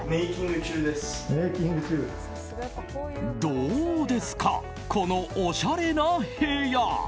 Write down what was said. どうですかこのおしゃれな部屋。